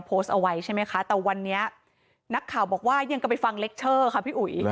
โพสต์เอาไว้ใช่ไหมคะแต่วันนี้นักข่าวบอกว่ายังก็ไปฟังเล็กเชอร์ค่ะพี่อุ๋ย